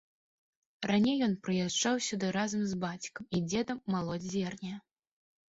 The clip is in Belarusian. Раней ён прыязджаў сюды разам з бацькам і дзедам малоць зерне.